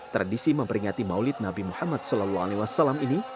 tradisi memperingati maulid nabi muhammad sallallahu alaihi wasallam ini